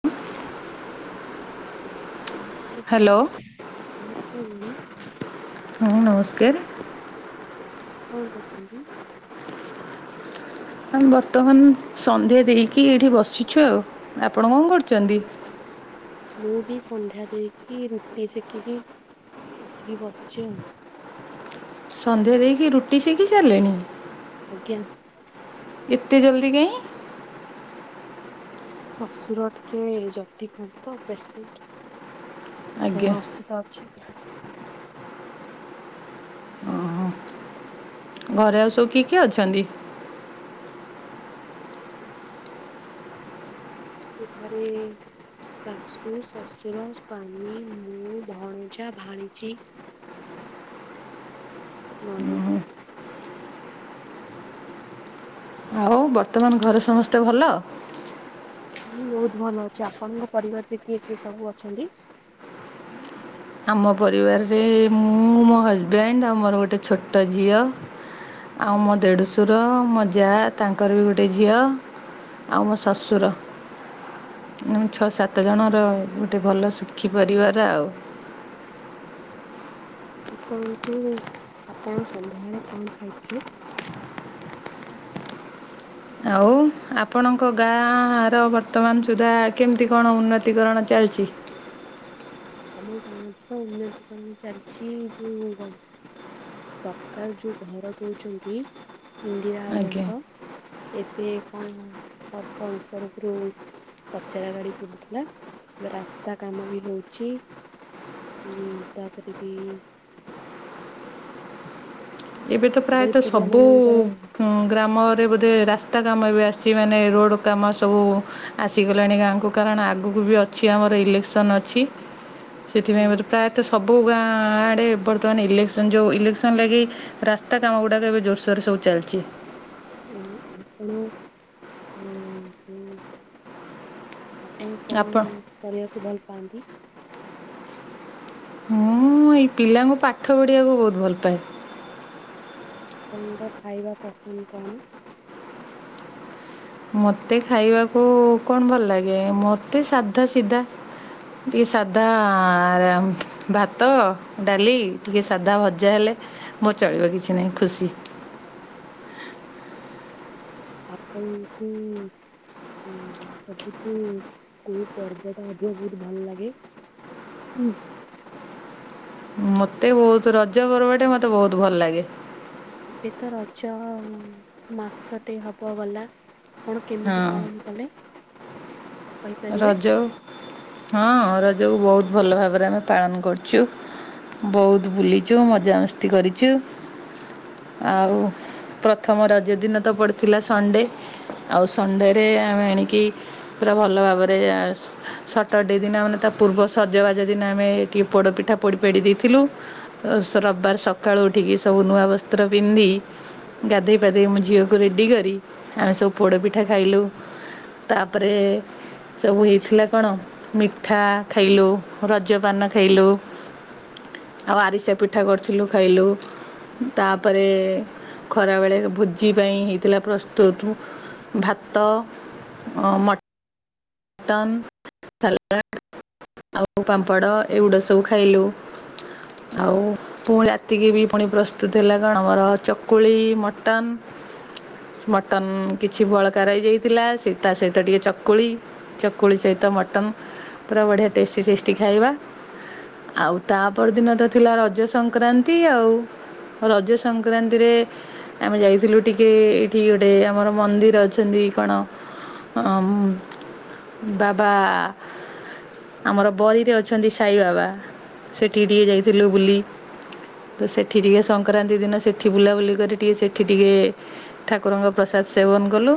[inaudible] ନମସ୍କାର ଭଉଣୀ ହ୍ୟାଲୋ ନମସ୍କାର ଭଉଣୀ। ହଁ ନମସ୍କାର। କଣ କରୁଚନ୍ତି? ଆମେ ବର୍ତ୍ତମାନ ସନ୍ଧ୍ୟା ଦେଇକି ଏଇଠି ବସିଛୁ ଆଉ ଆପଣ କଣ କରୁଚନ୍ତି? ମୁଁ ବି ସନ୍ଧ୍ୟା ଦେଇକି ରୁଟି ଶେକିକି ଆସିକି ବସିଛି ଆଉ। ସନ୍ଧ୍ୟା ଦେଇକି ରୁଟି ଶିକି ସାରିଲେଣି। ଆଜ୍ଞା। ଏତେ ଜଲ୍ଦି? ଶଶୁର ଟିକିଏ ଜଲଦି ଖାଆନ୍ତି ତ ପେସେଣ୍ଟ ଆଜ୍ଞା ଦେହ [unintelligible] [unintelligible] ହଁ ଘରେ ଆଉ ସବୁ କିଏ କିଏ ଅଛନ୍ତି? କି ଘରେ ଶାଶୁ ଶଶୁର ସ୍ୱାମୀ ମୁଁ ଭଣୁଜା ଭାଣିଜୀ। ନଣନ୍ଦ। ହଉ ବର୍ତ୍ତମାନ ଘରେ ସମସ୍ତେ ଭଲ? ମୁଁ ବହୁତ ଭଲ ଅଛି, ଆପଣଙ୍କ ପରିବାରରେ କିଏ କିଏ ସବୁ ଅଛନ୍ତି? ଆମ ପରିବାରରେ ମୁଁ ମୋ ହଜବେଣ୍ଡ ଆଉ ମୋର ଗୋଟେ ଛୋଟ ଝିଅ। ଆଉ ମୋ ଦେଢ଼ୁଶୁର ମୋ ଯା ତାଙ୍କର ବି ଗୋଟେ ଝିଅ। ଆଉ ମୋ ଶଶୁର, [unintelligible] ସାତ ଓହୋ। ଜଣର ଗୋଟେ ଭଲ ଶୁଖୀ ପାରିବାର ଆଉ। ଆପଣଙ୍କୁ ଆପଣ ସନ୍ଧ୍ୟାବେଳେ କଣ ଖାଇଥିଲେ? ଆଉ ଆପଣଙ୍କ ଗାଁଆର ବର୍ତ୍ତମାନ ସୁଦ୍ଧା କେମିତି କଣ ଉନ୍ନତି କଣ ଚାଲିଚି? କମେଇ [unintelligible] ତ ଉନ୍ନତି କରଣ ଚାଲିଛି, ଯୋଉ ସରକାର୍ ଯୋଉ ଘର ଦଉଛନ୍ତି ଇନ୍ଦିରା ଆଜ୍ଞା ଆବାସ ଏବେ କଣ ସରପଞ୍ଚ ତରଫରୁ ପଚରା ଗାଡି ବୁଲୁଥିଲା, ରାସ୍ତା କାମ ବି ହଉ ଛି ଉଁ ତାପରେ ବି ଏବେ ତ ତାପରେ ପ୍ରାୟତଃ ସବୁ ପିଲାମାନଙ୍କର ହୁଁ ଗ୍ରାମରେ ବୋଧେ ରାସ୍ତା କାମ ଏବେ ଆସିଛି ମାନେ ରୋଡ଼ କାମ ସବୁ ଆସିଗଲାଣି ଗାଁକୁ କାରଣ ଆଗକୁ ବି ଅଛି ଆମର ଇଲେକ୍ସନ ଅଛି। ଉଁ ସେଥିପାଇଁ ଏବେ ପ୍ରାୟତଃ ସବୁ ଗାଁଆ ଆଡ଼େ ବର୍ତ୍ତମାନ ଇଲେକ୍ସନ ଯଉ ଇଲେକ୍ସନ ଲାଗି ରାସ୍ତା କାମ ଗୁଡ଼ାକ ଏବେ ଜୋରସୋରରେ ସବୁ ଚାଲିଛି। ଉହୁଁ ଆପଣ ହଁ ହୁଁ ଆପଣ କଣ କରିବାକୁ ଭଲ ପାଆନ୍ତି? ମୁଁ ଏଇ ପିଲାଙ୍କୁ ପାଠ ପଢ଼ିବାକୁ ବହୁତ ଭଲ ପାଏ? ଆପଣଙ୍କ ଖାଇବା ପସନ୍ଦ କଣ? ମତେ ଖାଇବାକୁ କଣ ଭଲ ଲାଗେ ମତେ ସାଧା ସିଧା ଟିକେ ସାଧା ଭାତ ଡାଲି ଟିକିଏ ସାଧା ଭଜା ହେଲେ ମୋର ଚଳିବ କିଛି ନାହିଁ ଖୁସି। ଆପଣଙ୍କୁ ହୁଁ ହୁଁ ସବୁଠୁ କୋଉ ପର୍ବଟା ଅଧିକା ବହୁତ ଭଲ୍ ଲାଗେ? ହୁଁ। ମତେ ବହୁତ ରଜ ପର୍ବଟା ମତେ ବହୁତ ଭଲ ଲାଗେ। ଏବେ ତ ରଜ ଆଉ ମାସଟେ ହବ ଗଲା। ଆପଣ ହଁ କେମିତି ପାଳନ କଲେ? କହିପାରିବେ? ରଜ ହଁ ରଜକୁ ବହୁତ ଭଲ ଭାବରେ ଆମେ ପାଳନ କରୁଚୁ। ବହୁତ ବୁଲିଚୁ ମଜାମସ୍ତି କରିଚୁ, ଆଉ ପ୍ରଥମ ରଜ ଦିନ ତ ପଡିଥିଲା ସଣ୍ଡେ ଆଉ ସଣ୍ଡେରେ ଆମେ ଆଣିକି ପୁରା ଭଲ ଭାବରେ ଜାଣୁ ସଟରଡେ ଦିନ ଆଉଶମାନେ ତା ପୂର୍ବ ସଜବାଜ ଦିନ ଆମେ ଟିକେ ପୋଡ଼ପିଠା ପୋଡ଼ି ପାଡ଼ି ଦେଇଥିଲୁ। ଅ, ସ, ରବବାର ସକାଳୁ ଉଠିକି ସବୁ ନୂଆ ବସ୍ତ୍ର ପିନ୍ଧି ଗାଧେଇ ପାଧେଇ ମୁଁ ଝିଅକୁ ରେଡ଼ି କରି ଆମେ ସବୁ ପୋଡ଼ପିଠା ଖାଇଲୁ। ତାପରେ ସବୁ ଆଚ୍ଛା ହେଇଥିଲା କଣ ମିଠା ଖାଇଲୁ, ରଜପାନ ଖାଇଲୁ। ଆଉ ଆରିସା ପିଠା କରିଥିଲୁ ଖାଇଲୁ। ତାପରେ ଖରାବେଳେ ଭୋଜି ପାଇଁ ହେଇଥିଲା ପ୍ରସ୍ତୁତ। ଭାତ ଓ ମଟ୍ ଟନ୍ ସାଲାଡ଼ ଆଉ ପାମ୍ପଡ଼ ଏଗୁଡ଼ା ସବୁ ଖାଇଲୁ। ଆଉ ପୁଣି ରାତିକି ବି ପୁଣି ପ୍ରସ୍ତୁତ ହେଲା କଣ ବର ଚକୁଳି ମଟନ୍। ମଟନ୍ କିଛି ବଳକା ରହି ଯାଇଥିଲା ସେଇ ତା ସହିତ ଟିକେ ଚକୁଳି। ଚକୁଳି ସହିତ ମଟନ୍ ପୁରା ବଢ଼ିଆ ଟେଷ୍ଟି ଟେଷ୍ଟି ଖାଇବା। ଆଉ ତାପର ଦିନ ତ ଥିଲା ରଜ ସଂକ୍ରାନ୍ତି ଆଉ। ରଜ ସଂକ୍ରାନ୍ତିରେ ଆମେ ଯାଇଥିଲୁ ଟିକେ ଏଇଠି ଗୋଟେ ଆମର ମନ୍ଦିର ଅଛନ୍ତି କଣ ଅଁ, ମୁଁ ବାବା ଆମର ବରିରେ ଅଛନ୍ତି ସାଇବାବା, ସେଠିକି ଟିକେ ଯାଇଥିଲୁ ବୁଲି। ତ, ସେଠି ଟିକେ ସଂକ୍ରାନ୍ତି ଦିନ ସେଠି ବୁଲାବୁଲି କରି, ଟିକେ ସେଠି ଟିକେ ଠାକୁରଙ୍କ ପ୍ରସାଦ ସେବନ କଲୁ।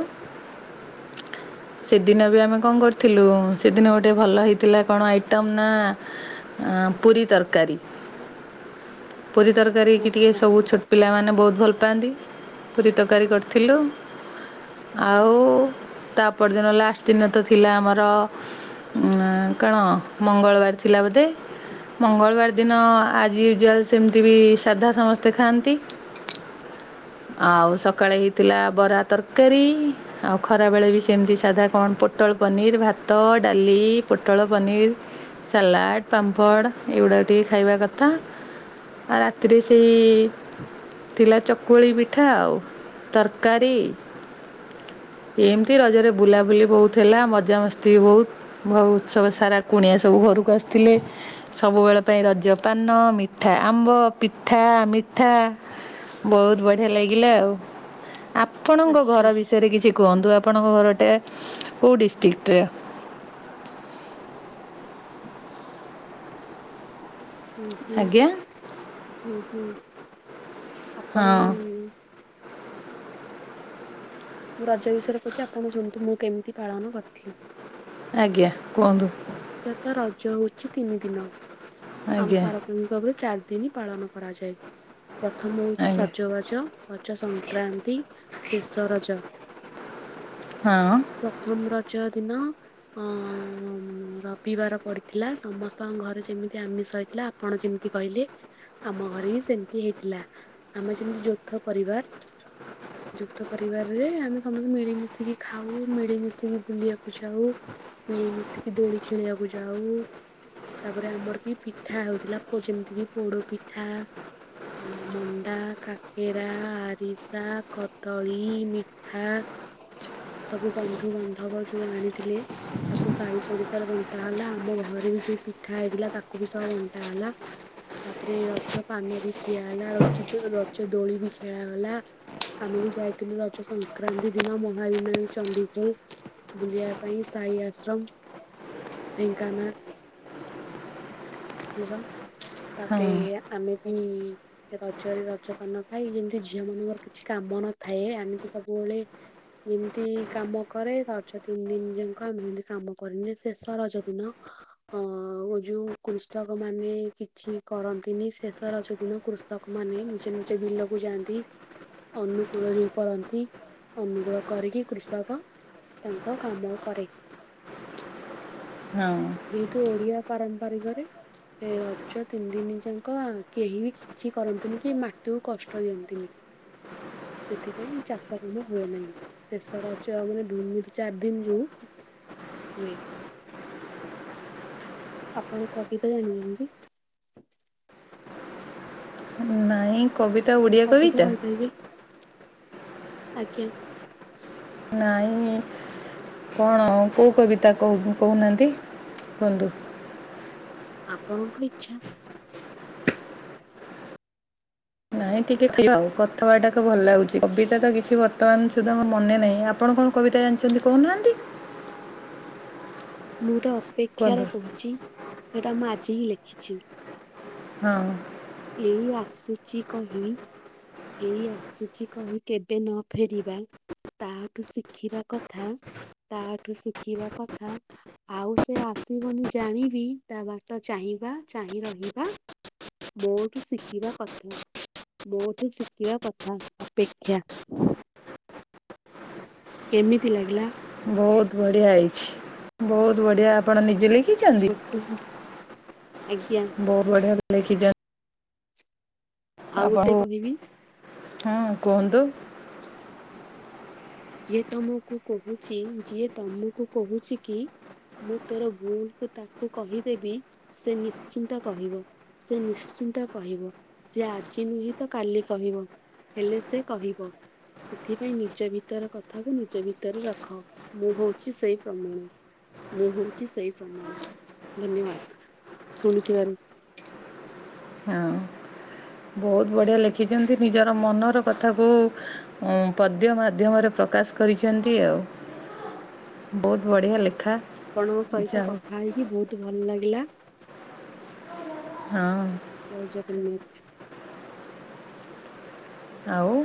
ସେଦିନ ବି ଆମେ କଣ କରିଥିଲୁ, ସେଦିନ ଗୋଟେ ଭଲ ହେଇଥିଲା କଣ ଆଇଟମ୍ ନା ଅଁ, ପୁରି ତରକାରୀ, ପୁରି ତରକାରୀ କି ଟିକେ ଆଚ୍ଛା ସବୁ ଛୋଟ ପିଲାମାନେ ବହୁତ ଭଲ ପାଆନ୍ତି, ପୁରି ତରକାରୀ କରିଥିଲୁ। ଆଉ ତା ପରଦିନ ଲାଷ୍ଟ ଦିନ ତ ଥିଲା ଆମର ନା କଣ, ମଙ୍ଗଳବାର ଥିଲା ବୋଧେ? ମଙ୍ଗଳବାର ଦିନ ଆଜ୍ ୟୁଜୁଆଲ୍ ସେମିତି ବି ସାଧା ସମସ୍ତେ ଖାଆନ୍ତି। [unintelligible] ଆଉ ସକାଳେ ହେଇଥିଲା ବରା ତରକାରୀ, ଆଉ ଖରା ବେଳେ ବି ସେମତି ସାଧା କଣ ପୋଟଳ ପନିର୍, ଭାତ, ଡାଲି, ପୋଟଳ ପନିର୍। ସାଲାଡ଼, ପାମ୍ପଡ଼, ଏଉଡ଼ାକ ଟିକେ ଖାଇବା କଥା। ଆଉ ରାତିରେ ସେଇ ଥିଲା ଚକୁଳି ପିଠା ଆଉ ତରକାରୀ। ଏମିତି ରଜରେ ଆଚ୍ଛା ବୁଲାବୁଲି ବହୁତ ଥିଲା ମଜାମସ୍ତି ବହୁତ, ବହୁ ଉତ୍ସବ ସାରା କୁଣିଆ ସବୁ ଘରକୁ ଆସିଥିଲେ। ସବୁବେଳ ପାଇଁ ରଜ ପାନ, ମିଠା ଆମ୍ବ, ପିଠା, ମିଠା। ବହୁତ ବଢିଆ ଲାଗିଲା ଆଉ। ଆ ଆପଣଙ୍କ ଆଚ୍ଛା ଘର ବିଷୟରେ କିଛି କୁହନ୍ତୁ, ଆପଣଙ୍କ ଘରଟା କୋଉ ଡିଷ୍ଟ୍ରିକ୍ଟ ରେ? [unintelligible] ହୁଁ, ହୁଁ, ଆଜ୍ଞା ହୁଁ, ହୁଁ ଆପଣ ହଁ ହୁଁ, ମୁଁ ରଜ ବିଷୟରେ କହୁଛି, ଆପଣ ଶୁଣନ୍ତୁ ମୁଁ କେମିତି ପାଳନ କରିଥିଲି। ଆଜ୍ଞା, କୁହନ୍ତୁ। ମୁଖ୍ୟତଃ, ରଜ ହଉଛି ତିନି ଦିନ। ଆମ ଆଜ୍ଞା ପାର [unintelligible] ଭାବରେ ଚାରି ଦିନ ପାଳନ କରାଯାଏ। ପ୍ରଥମ ହଉଛି ଆଜ୍ଞା ସଜବାଜ। ରଜ ସଂକ୍ରାନ୍ତି, ଶେଷ ରଜ। ହଁ। ପ୍ରଥମ ରଜ ଦିନ ଅ ହୁଁ, ରବିବାର ପଡିଥିଲା ସମସ୍ତଙ୍କ ଘରେ ଯେମିତି ଆମିଷ ହେଇଥିଲା ଆପଣ ଯେମିତି କହିଲେ। ଆମ ଘରେ ହି ସେମିତି ହେଇଥିଲା ଆମର ଯେମିତି ଯୌଥ ପରିବାର। ଯୌଥ ପରିବାର ରେ ଆମେ ସମସ୍ତେ ମିଳିମିଶିକି ଖାଉ ମିଳିମିଶିକି ବୁଲିବାକୁ ଯାଉ। ମିଳିମିସିକି ଦୋଳି ଖେଳିବାକୁ ଯାଉ। ତାପରେ ଆମର ବି ପିଠା ହଉଥିଲା, ଯେମିତି କି ପୋଡ ପିଠା। ମଣ୍ଡା, କାକେରା, ଆରିସା, କଦଳୀ, ମି ଠା ସବୁ ବନ୍ଧୁବାନ୍ଧବ ଯୋଉ ଆଣିଥିଲେ ତାକୁ ସାହି ପଡିଶାରେ ବଣ୍ଟା ହେଲା ଆମ ଘରେ ବି ଯୋଉ ପିଠା ହେଇଥିଲା ତାକୁ ବି ସହ ବଣ୍ଟା ହେଲା। ତାପରେ ରଜ ପାନ ବି ଖିଆ ହେଲା, ର ରଜ ଦୋଳି ବି ଖେଳାଗଲା। ଆମେ ବି ଯାଇଥିଲୁ ରଜ ସଂକ୍ରାନ୍ତି ଦିନ, ମ ଭାବନାୟକ [unintelligible] ଚଣ୍ଡୀଖୋଲ ବୁଲିବା ପାଇଁ ସାଇ ଆଶ୍ରମ। ଢେଙ୍କାନାଳ। ଠାକୁର ହଁ ହଁ ତାପରେ ଆମେ ବି ରଜରେ ରଜ ପାନ ଖାଇ ଯେମିତି ଝିଅ ମାନଙ୍କର କିଛି କାମ ନଥାଏ ଆମେ ତ ସବୁ ଯେମିତି କାମ କରେ ରଜ ତିନି ଦିନ ଯାକ ଆମେ ଯେମିତି କାମ କରିନି ଶେଷ ରଜ ଦିନ ଆଉ ଯୋଉ କୃଷକ ମାନେ କିଛି କରନ୍ତି ନି, ଶେଷ ରଜ ଦିନ କୃଷକ ମାନେ ନିଜ ନିଜ ବିଲ କୁ ଯାଆନ୍ତି, ଅନୁକୂଳ ଯାଇ କରନ୍ତି, ଅନୁକୂଳ କରିକି କୃଷକ ତାଙ୍କ କାମ [unintelligible] ହଁ। ଯେହେତୁ ଓଡିଆ ପାରମ୍ପାରିକରେ ଏ ରଜ ତିନି ଦିନି ଯାକ ଆଗେ କିଛି କରନ୍ତିନି କି ମାଟିକୁ କଷ୍ଟ ଦିଅନ୍ତିନି। ସେଥିପାଇଁ ଚାଷ କାମ ହୁଏ ନାହିଁ। ଶେଷରଜ ଆଉ [unintelligible] ଚାରି ଦିନ ଯୋଉ ହୁଏ। ଆପଣ କବିତା ଜାଣିଛନ୍ତି? ନାଇ ଆପଣ କବିତା କହିପାରିବେ? ଆଜ୍ଞା ନାଇଁ। କଣ କୋଉ କବିତା କହୁ କହୁନାହାନ୍ତି? ଆପଣଙ୍କ ଇଚ୍ଛା। ନାଇଁ ଟିକେ ଥିଲା ଆଉ କଥାବାର୍ତ୍ତା ତ ଭଲ ଲାଗୁଛି, କବିତା ତ କିଛି ବର୍ତ୍ତମାନ ସୁଦ୍ଧା ମୋର ମନେ ନାହିଁ, ଆ- ଆପଣ କଣ କବିତା ଜାଣିଛନ୍ତି କହୁନାହାନ୍ତି? ମୁଁ ତ କୁହନ୍ତୁ ଅପେକ୍ଷାରେ କହୁଛି ସେଟା ମୁଁ ଆଜି ହିଁ ଲେଖିଛି। ହଁ। ଏଇ ଆସୁଛି କହି ଏଇ ଆସୁଛି କହି କେବେ ନ ଫେରି ତାହାଠୁ ଶିଖିବା କଥା, ତାହାଠୁ ଶିଖିବା କଥା। ଆଉ ସେ ଆସିବନି ଜାଣିବି ତା ବାଟ ଚାହିଁବା ଚାହିଁ ରହିବା ମୋଠୁ ଶିଖିବା କ ମୋଠୁ ଶିଖିବା କଥା ଅପେକ୍ଷା। କେମିତି ଲାଗିଲା? ବହୁତ ବଢିଆ ହେଇଛି, ବହୁତ ବଢିଆ ଆପଣ ନିଜେ ଲେ ଛୋଟୁ ଆଜ୍ଞା। ବହୁତ ବଢ଼ିଆ [unintelligible] ଆଉ ଗୋଟେ ଆପଣଙ୍କୁ କହିବି ହଁ କୁହନ୍ତୁ। ଯିଏ ତମକୁ କହୁଚି ଯିଏ ତମକୁ କହୁଚି କି ମୁଁ ତୋର ଭୁଲକୁ ତାକୁ କହିଦେବି ସେ ନିଶ୍ଚିନ୍ତ କହିବ। ସେ ନିଶ୍ଚିନ୍ତ କହିବ ସେ ଆଜି ନୁହେଁ ତ କାଲି କହିବ। ହେଲେ ସେ କହିବ ସେଥିପାଇଁ ନିଜ ଭି ତର କଥାକୁ ନିଜ ଭିତରେ ରଖ। ମୁଁ ହଉଚି ସେଇ ପ୍ରମାଣ। ମୁଁ ହଉଚି ସେଇ ପ୍ରମାଣ। ଧନ୍ୟବାଦ ଶୁଣୁଥିବାରୁ। ହଁ। ବହୁତ ବଢ଼ିଆ ଲେଖିଚନ୍ତି। ନିଜର ମନର କଥାକୁ ପଦ୍ୟ ମାଧ୍ୟମରେ ପ୍ରକାଶ କରିଚନ୍ତି ଆଉ। ବହୁତ ବଢିଆ ଲେଖା। ଆପଣଙ୍କ ସହିତ ଯାଉ କଥା ହେଇକି ବହୁତ ଭଲ ଲାଗିଲା। ହୁଁ। ଜୟ ଜଗନ୍ନାଥ। ଆଉ